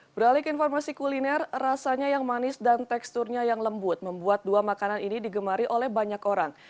beralik informasi kuliner rasanya yang manis dan teksturnya yang lembut membuat dua makanan ini digemari oleh banyak orang